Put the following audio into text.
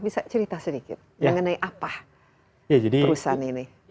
bisa cerita sedikit mengenai apa perusahaan ini